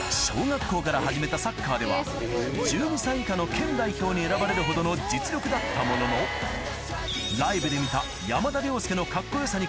小学校から始めたサッカーでは１２歳以下の県代表に選ばれるほどの実力だったもののライブで見た行ける行ける！